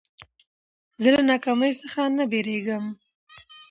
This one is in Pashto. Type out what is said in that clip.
زه له ناکامۍ څخه نه بېرېږم.